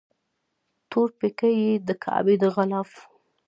تور پیکی یې د کعبې د غلاف